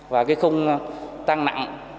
và cái khung tăng nặng